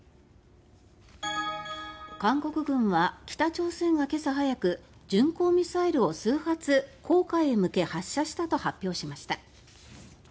韓国軍は北朝鮮が今朝早く巡航ミサイルを数発黄海へ向け発射したと発表しました。